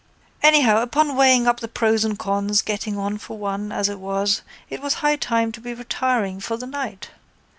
Anyhow upon weighing up the pros and cons, getting on for one, as it was, it was high time to be retiring for the night.